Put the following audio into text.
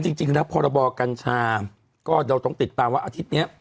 จริงแล้วพรบกัญชาก็เราต้องติดตามว่าอาทิตย์นี้